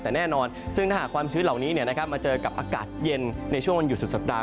แต่แน่นอนซึ่งถ้าหากความชื้นเหล่านี้มาเจอกับอากาศเย็นในช่วงวันหยุดสุดสัปดาห